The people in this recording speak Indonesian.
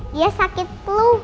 dia sakit flu